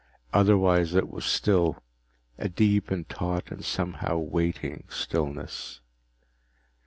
Otherwise it was still, a deep and taut and somehow waiting stillness.